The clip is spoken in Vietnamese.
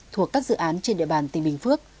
thuộc các dự án trên địa bàn tỉnh bình phước